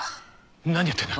何やってんだ！？